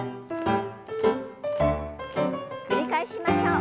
繰り返しましょう。